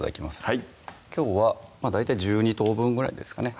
はいきょうは大体１２等分ぐらいですかね